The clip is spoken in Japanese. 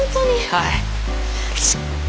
はい。